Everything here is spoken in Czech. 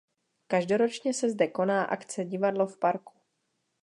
Každoročně se zde koná akce Divadlo v parku.